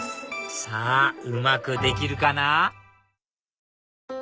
さぁうまくできるかな？